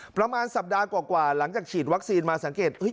ประมาณสัปดาห์กว่าหลังจากฉีดวัคซีนมาสังเกต